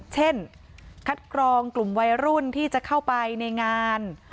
เช่นคัดกรองกลุ่มวัยรุ่นที่จะเข้าไปในงาน